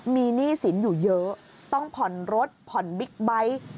มีหนี้สินอยู่เยอะต้องผ่อนรถผ่อนบิ๊กไบท์